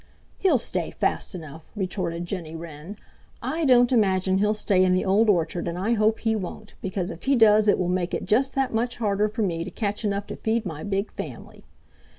"He'll stay fast enough," retorted Jenny Wren. "I don't imagine he'll stay in the Old Orchard and I hope he won't, because if he does it will make it just that much harder for me to catch enough to feed my big family.